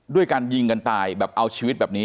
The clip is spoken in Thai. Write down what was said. การยิงกันตายแบบเอาชีวิตแบบนี้